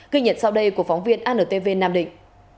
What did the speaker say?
ghi nhận sau đây của phóng viên antv nam định